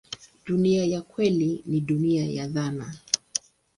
Dunia ya kweli ni dunia ya dhana.